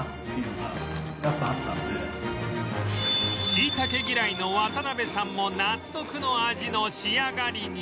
しいたけ嫌いの渡辺さんも納得の味の仕上がりに